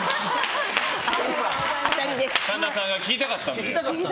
神田さんが聞きたかった。